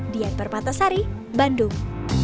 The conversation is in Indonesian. dian perpata sari bandung